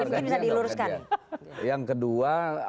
yang mungkin bisa diluruskan nih